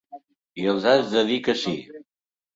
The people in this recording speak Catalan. I els has de dir que sí